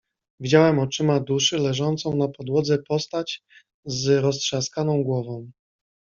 "Widziałem oczyma duszy leżącą na podłodze postać z roztrzaskaną głową."